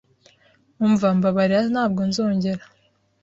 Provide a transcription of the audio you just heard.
Umva Mbabarira ntabwo nzongera